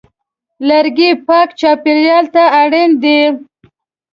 لرګی پاک چاپېریال ته اړین دی.